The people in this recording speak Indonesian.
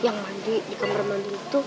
yang mandi di kamar mandi itu